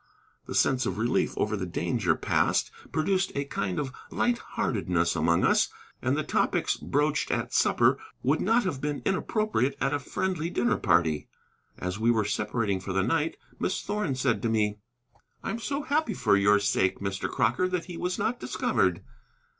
The sense of relief over the danger passed produced a kind of lightheartedness amongst us, and the topics broached at supper would not have been inappropriate at a friendly dinner party. As we were separating for the night Miss Thorn said to me: "I am so happy for your sake, Mr. Crocker, that he was not discovered."